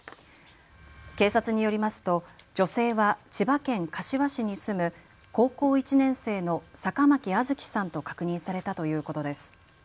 警察によりますと女性は千葉県柏市に住む高校１年生の坂巻杏月さんと確認されたということです。